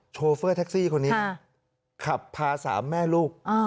โชเฟอร์แท็กซี่คนนี้ขับพาสามแม่ลูก